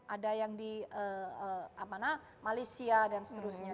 ada yang di malaysia dan seterusnya